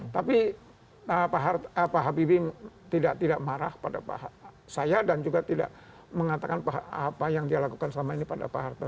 tapi pak habibie tidak marah pada saya dan juga tidak mengatakan apa yang dia lakukan selama ini pada pak harto